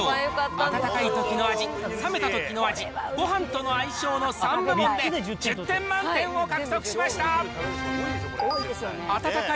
温かいときの味、冷めたときの味、ごはんとの相性の３部門で１０点満点を獲得しました。